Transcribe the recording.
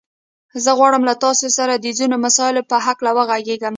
زه غواړم له تاسو سره د ځينو مسايلو په هکله وغږېږم.